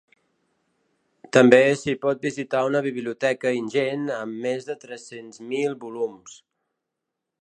També s’hi pot visitar una biblioteca ingent, amb més de tres-cents mil volums.